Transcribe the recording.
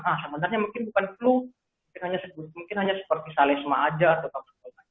nah sebenarnya mungkin bukan flu mungkin hanya seperti salisma aja atau tak seperti aja